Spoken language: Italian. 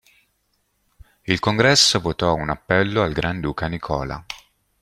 Il Congresso votò un appello al granduca Nicola.